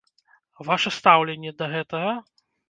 Ваша стаўленне да гэтага?